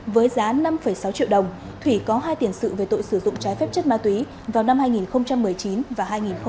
với giá năm sáu triệu đồng thủy có hai tiền sự về tội sử dụng trái phép chất ma túy vào năm hai nghìn một mươi chín và hai nghìn một mươi chín